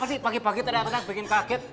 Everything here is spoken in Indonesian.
maaf sih pagi pagi ternyata bikin kaget